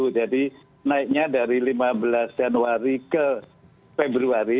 jadi naiknya dari lima belas januari ke februari